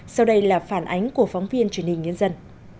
sau đây là phản ánh của phóng viên truyền hình nhân dân